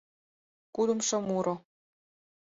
КУДЫМШО МУРО